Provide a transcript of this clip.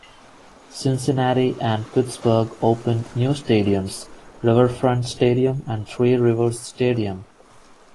Cincinnati and Pittsburgh opened new stadiums: Riverfront Stadium and Three Rivers Stadium.